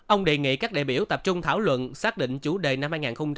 ông đề nghị các đại biểu tập trung thảo luận xác định chủ đề năm hai nghìn hai mươi